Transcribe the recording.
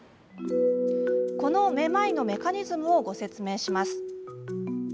このめまいのメカニズムをご説明します。